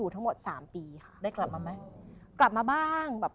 ถอง